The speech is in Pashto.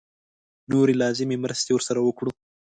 نورې لازمې مرستې ورسره وکړو.